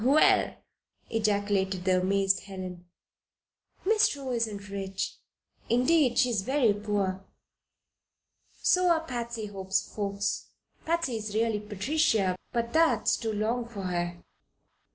"Well!" ejaculated the amazed Helen. "Miss True isn't rich. Indeed, she is very poor. So are Patsy Hope's folks Patsy is really Patricia, but that's too long for her.